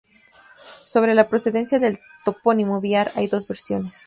Sobre la procedencia del topónimo Biar hay dos versiones.